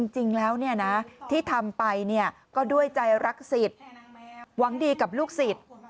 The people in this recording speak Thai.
จริงแล้วที่ทำไปก็ด้วยใจรักสิทธิ์หวังดีกับลูกศิษย์